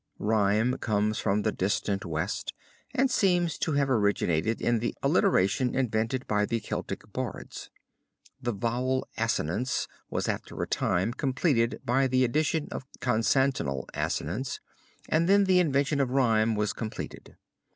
Rhyme comes from the distant West and seems to have originated in the alliteration invented by the Celtic bards. The vowel assonance was after a time completed by the addition of consonantal assonance and then the invention of rhyme was completed.